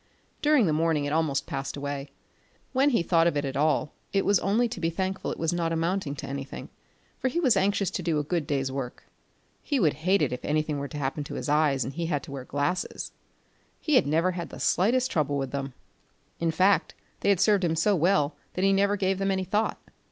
During the morning it almost passed away. When he thought of it at all, it was only to be thankful it was not amounting to anything, for he was anxious to do a good day's work. He would hate it if anything were to happen to his eyes and he had to wear glasses! He had never had the slightest trouble with them; in fact they had served him so well that he never gave them any thought.